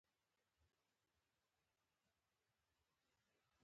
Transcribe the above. بادي انرژي د افغانستان د کلتوری میراث یوه مهمه برخه ده.